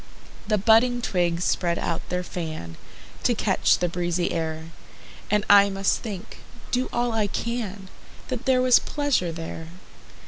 The budding twigs spread out their fan, To catch the breezy air; And I must think, do all I can, That there was pleasure there.